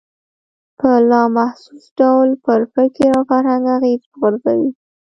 په لا محسوس ډول پر فکر او فرهنګ اغېز وغورځوي.